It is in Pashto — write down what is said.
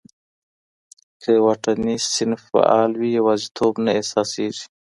که واټني صنف فعال وي، یوازیتوب نه احساسېږي.